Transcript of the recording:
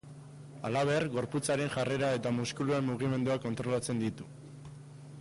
Halaber, gorputzaren jarrera eta muskuluen mugimenduak kontrolatzen ditu.